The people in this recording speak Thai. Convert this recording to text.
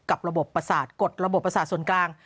ระบบประสาทกฎระบบประสาทส่วนกลาง